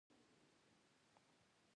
پر ساتنه او درناوي یې ځان مکلف بولي.